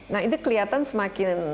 nah itu kelihatan semakin